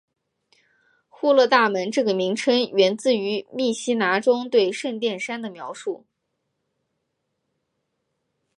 户勒大门这个名称源自于密西拿中对圣殿山的描述。